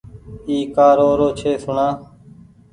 اي ڪآ رو رو ڇي سوڻآ